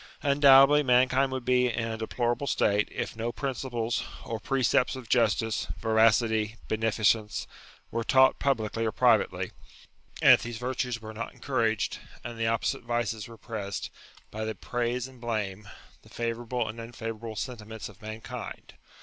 Undoubtedly mankind would be in a deplorable state if no prin ciples or precepts of justice, veracity, beneficence, were taught publicly or privately, and if these virtues were not encouraged, and the opposite vices repressed, by the praise and blame, the favourable and unfavour able sentiments, of mankind.